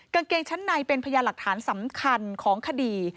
กางเกงชั้นในเป็นพยานหลักฐานสำคัญของคดี